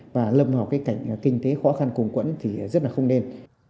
và lầm vào cảnh kinh tế khó khăn cùng quẫn thì rất là không nên